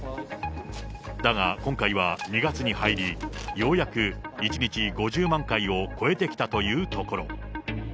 だが今回は２月に入り、ようやく１日５０万回を超えてきたというところ。